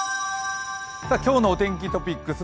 今日のお天気トピックス